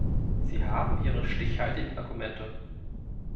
Sie haben Ihre stichhaltigen Argumente.